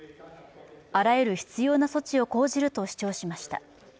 あらゆる必要な措置を講じると主張しました。